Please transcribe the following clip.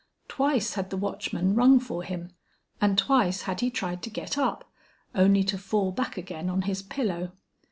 Twice had the watchman rung for him, and twice had he tried to get up, only to fall back again on his pillow.